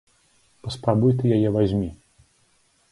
Паспрабуй ты яе вазьмі!